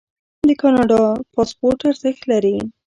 د کاناډا پاسپورت ارزښت لري.